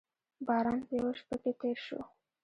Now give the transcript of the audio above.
باران په یوه شېبه کې تېر شو.